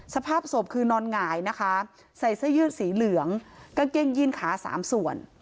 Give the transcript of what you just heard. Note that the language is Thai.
สภาพศพคือนอนหงายนะคะใส่เสื้อยืดสีเหลืองกางเกงยื่นขาสามส่วน